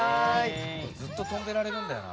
ずっと飛んでられるんだよな。